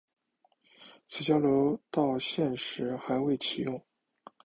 此交流道现时还未启用。